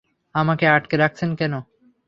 আমাকে আটকে রাখছেন কেন?